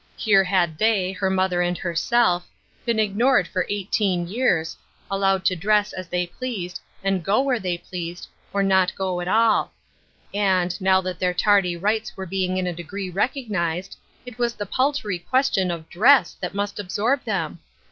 Here had they — ^her mother and herself — been ig nored for eighteen years, allowed to dress as they pleased, and go where they pleased, or not go at all ; and, now that their tardy rights were being in a degree recognized, it was the paltry question of dress that must absorb them